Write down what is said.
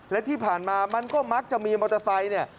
และที่ผ่านมามันก็มักจะมีมอเตอร์ไซค์เนี่ย